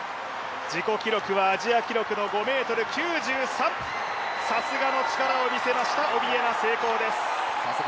自己記録はアジア記録の５ｍ９３さすがの力を見せましたオビエナ、成功です。